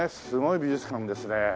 すごい美術館ですね